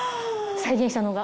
再現したのが。